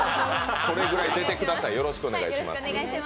それぐらい出てください、よろしくお願いします。